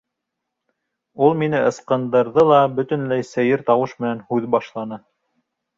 Ул мине ысҡындырҙы ла бөтөнләй сәйер тауыш менән һүҙ башланы.